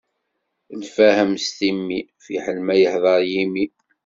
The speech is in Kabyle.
Lfahem s timmi, fiḥel ma yehdeṛ yimi.